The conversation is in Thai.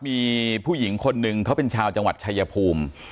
มีผู้หญิงคนหนึ่งเขาเป็นชาวจังหวัดชายภูมิ